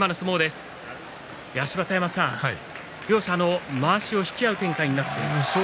芝田山さん、両者のまわしを引き合う展開になりました。